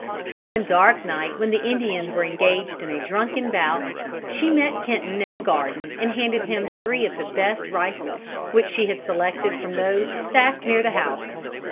One dark night, when the Indians were engaged in a drunken bout, she met Kenton in the garden and handed him three of the best rifles, which she had selected from those stacked near the house.